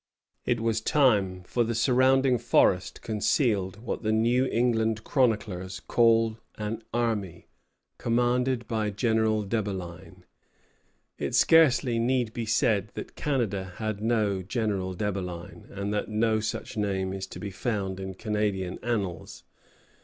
It was time, for the surrounding forest concealed what the New England chroniclers call an "army," commanded by General Debeline. It scarcely need be said that Canada had no General Debeline, and that no such name is to be found in Canadian annals.